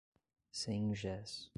Sengés